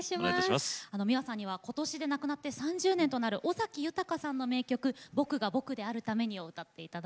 ｍｉｗａさんには今年で亡くなって３０年となる尾崎豊さんの名曲「僕が僕であるために」を歌っていただきます。